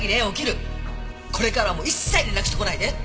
これからはもう一切連絡してこないで！